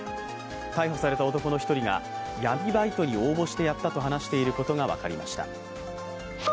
逮捕された男の一人が、闇バイトに応募してやったと話していることが分かりました。